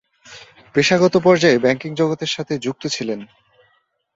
পেশাগত পর্যায়ে ব্যাংকিং জগতের সাথে যুক্ত ছিলেন।